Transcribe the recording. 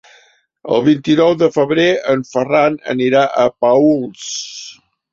El vint-i-nou de febrer en Ferran anirà a Paüls.